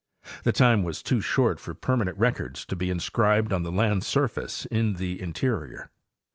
The time was too short for permanent records to be inscribed on the land surface in the interior.